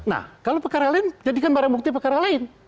nah kalau perkara lain jadikan barang bukti perkara lain